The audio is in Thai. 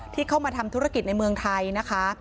ที่เข้ามาทำธุรกิจในเมืองไทยนะคะ